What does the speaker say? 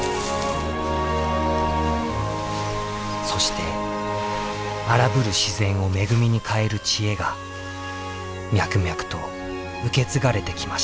そして荒ぶる自然を恵みに変える知恵が脈々と受け継がれてきました。